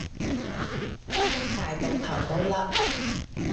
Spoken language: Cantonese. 啲風大到頭都甩